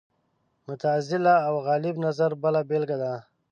معتزله او غالب نظر بله بېلګه ده